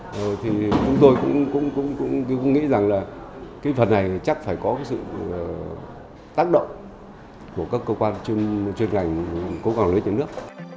chúng tôi cũng nghĩ rằng là cái phần này chắc phải có sự tác động của các cơ quan chuyên ngành cơ quan lưới tiến nước